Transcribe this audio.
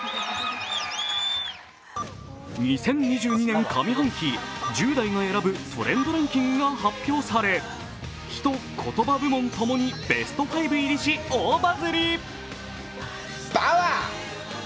２０２２年上半期、１０代が選ぶトレンドランキングが発表され、ヒト・コトバ部門ともにベスト５入りし、大バズり。